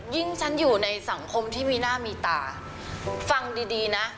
ฉันอยู่ในสังคมที่มีหน้ามีตาฟังดีดีนะ